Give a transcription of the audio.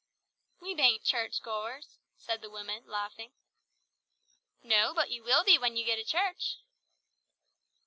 "We bain't church goers," said the woman laughing. "No, but you will be when you get a church."